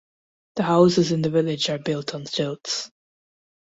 The houses in the village are built on stilts.